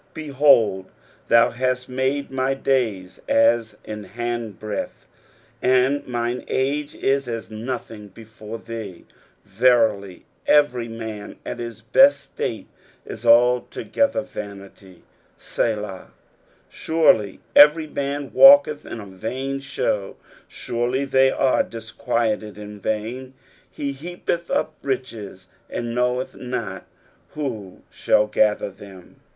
5 Behold, thou hast made my daysa.ian handbreadth ; and mine age is as nothing before thee : verily every man at his best state is altogether vanity. Selah. 6 Surely every man walketh in a vain shew : surely they are dis quieted in vain : he heapeth up riches, and knoweth not who shall gather them. 3.